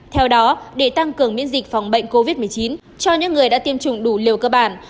theo đó để tăng cường miễn dịch phòng bệnh covid một mươi chín cho những người đã tiêm chủng đủ liều cơ bản